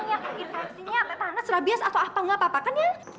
infeksinya panas rabias atau apa apa kan yan